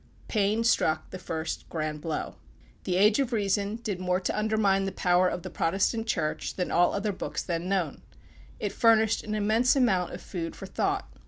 Paine struck the first grand blow. The "Age of Reason" did more to undermine the power of the Protestant Church than all other books then known. It furnished an immense amount of food for thought.